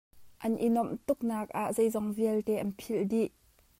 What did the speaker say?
An i nuamh tuk naak ah zeizong vialte an philh dih.